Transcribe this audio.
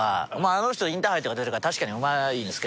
あの人インターハイとか出てるから確かにうまいですけど。